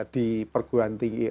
di perguan tinggi